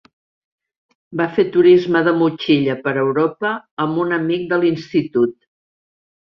Va fer turisme de motxilla per Europa amb un amic de l'institut.